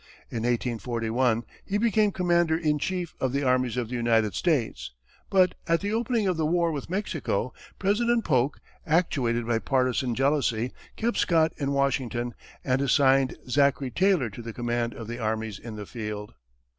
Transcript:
In 1841, he became commander in chief of the armies of the United States; but, at the opening of the war with Mexico, President Polk, actuated by partisan jealousy, kept Scott in Washington and assigned Zachary Taylor to the command of the armies in the field.